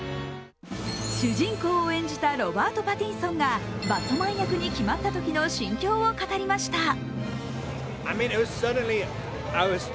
主人公を演じたロバート・パティンソンがバットマン役に決まったときの心境を語りました。